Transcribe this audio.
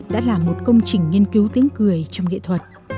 đã là một công trình nghiên cứu tiếng cười trong nghệ thuật